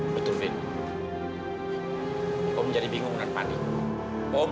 udah telepon deh tadi yuk